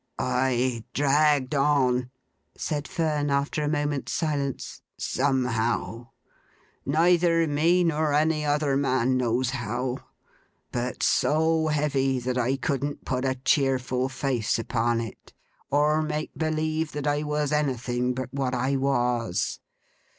'I dragged on,' said Fern, after a moment's silence, 'somehow. Neither me nor any other man knows how; but so heavy, that I couldn't put a cheerful face upon it, or make believe that I was anything but what I was.